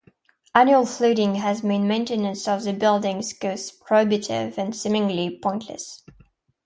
Annual flooding has made maintenance of the buildings cost prohibitive and seemingly pointless.